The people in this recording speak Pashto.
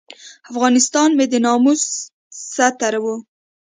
افغانستان مې د ناموس ستر و.